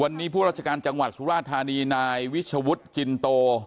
วันนี้ผู้ราชการจังหวัดสุราธานีนายวิชวุฒิจินโต